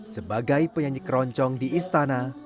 sebagai penyanyi keroncong di istana